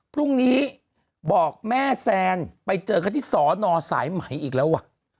พรุ่งนี้บอกแม่แซนไปเจอกันที่สอนอสายไหมอีกแล้วว่ะ